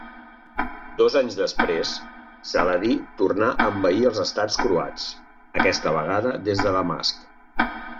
Dos anys després, Saladí tornà a envair els estats croats, aquesta vegada des de Damasc.